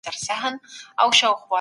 اوبه په کاغذونو باندې بد اغېز کوي.